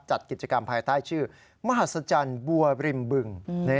จัดกิจกรรมภายใต้ชื่อมหัศจรรย์บัวริมบึง